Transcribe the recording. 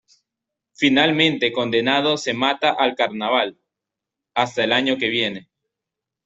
Finalmente condenado se mata al Carnaval...hasta el año que viene.